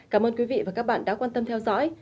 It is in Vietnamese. cảm ơn quý vị và các bạn đã quan tâm theo dõi